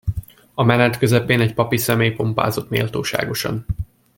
A menet közepén egy papi személy pompázott méltóságosan.